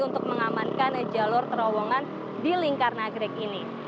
untuk mengamankan jalur terowongan di lingkar nagrek ini